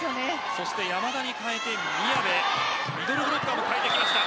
そして山田に代えて宮部ミドルブロッカーも代えてきました。